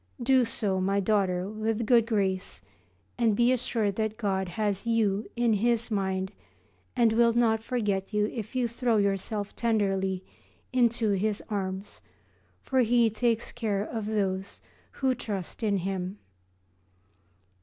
Do so, my daughter, with a good grace, and be assured that God has you in His mind and will not forget you if you throw yourself tenderly into His arms, for He takes care of those who trust in Him.